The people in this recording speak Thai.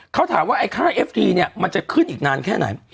เขาถามว่าไอ้ค่าเอฟทีเนี่ยมันจะขึ้นอีกนานแค่ไหน